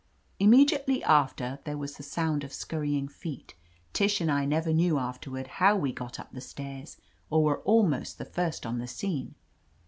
Immediately after, there was the sound of scurrying feet. Tish and I never knew after ward how we got up the stairs, or were almost the first on the scene.